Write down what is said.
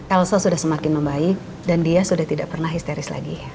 elsa sudah semakin membaik dan dia sudah tidak pernah histeris lagi